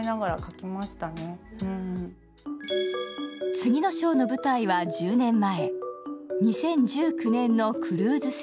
次の章の舞台は１０年前２０１９年のクルーズ船。